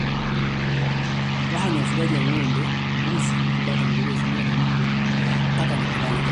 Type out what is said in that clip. Waha ni wafugaji wa ngombe mbuzi kuku bata nguruwe sungura mbwa paka na kadhalika